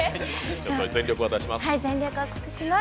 全力を出します。